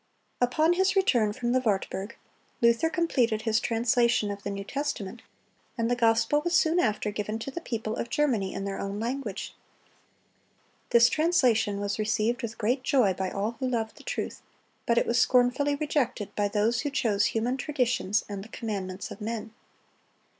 Upon his return from the Wartburg, Luther completed his translation of the New Testament, and the gospel was soon after given to the people of Germany in their own language. This translation was received with great joy by all who loved the truth; but it was scornfully rejected by those who chose human traditions and the commandments of men.